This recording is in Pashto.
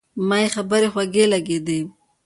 ما یې خبرې خوږې لګېدې.